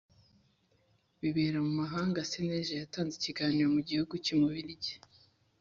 Bibera mu mahanga cnlg yatanze ikiganiro mu gihugu cy ububiligi